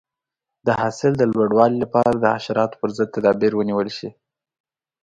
د حاصل د لوړوالي لپاره د حشراتو پر ضد تدابیر ونیول شي.